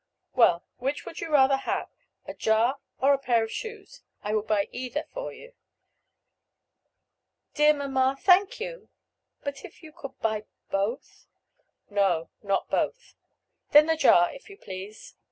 "Well, which would you rather have, a jar or a pair of shoes? I will buy either for you." "Dear mamma, thank you but if you could buy both?" "No, not both." "Then the jar, if you please."